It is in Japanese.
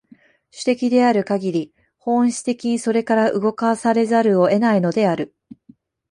種的であるかぎり、本質的にそれから動かされざるを得ないのである。